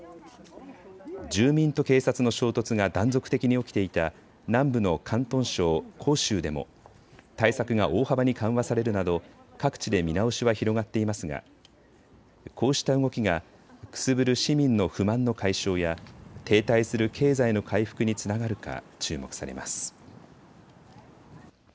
住民と警察の衝突が断続的に起きていた南部の広東省広州でも対策が大幅に緩和されるなど各地で見直しは広がっていますがこうした動きが、くすぶる市民の不満の解消や停滞する経済の回復につながるか注目されます。